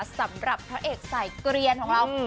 สำหรับพระเอกสายเกลียนของเรา